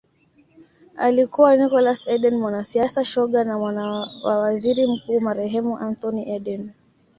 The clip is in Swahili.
Alikuwa Nicholas Eden mwanasiasa shoga na mwana wa Waziri Mkuu marehemu Anthony Eden